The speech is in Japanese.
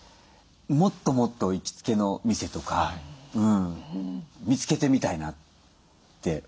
もっともっと行きつけの店とか見つけてみたいなって思います。